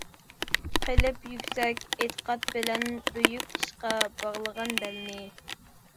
قىلىپ يۈكسەك ئېتىقاد بىلەن، بۈيۈك ئىشقا باغلىغان بەلنى.